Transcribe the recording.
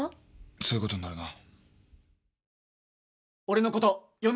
そういうことになるな。